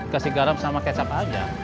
kasih garam sama kecap aja